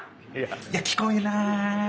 いや聞こえない。